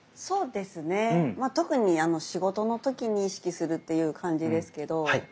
そうですね特に仕事の時に意識するという感じですけど。